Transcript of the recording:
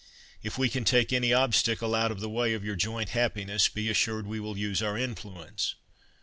If we can take any obstacle out of the way of your joint happiness, be assured we will use our influence.